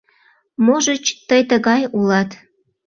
— Можыч, тый тыгай улат.